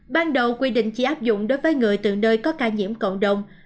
ban đầu quy định chỉ áp dụng đối với người từ nơi có ca nhiễm cộng đồng